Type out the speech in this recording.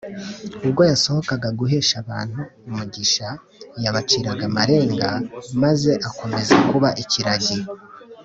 Ubwo yasohokaga guhesha abantu umugisha, ‘‘yabaciraga amarenga, maze akomeza kuba ikiragi.